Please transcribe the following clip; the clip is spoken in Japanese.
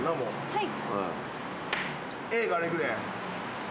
はい。